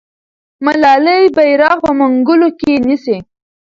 ملالۍ بیرغ په منګولو کې نیسي.